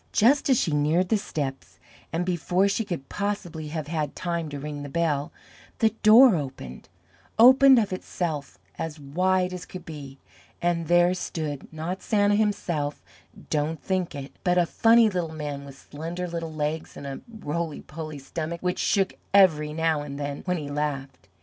Just as she neared the steps and before she could possibly have had time to ring the bell, the door opened opened of itself as wide as could be and there stood not Santa himself don't think it but a funny Little Man with slender little legs and a roly poly stomach which shook every now and then when he laughed.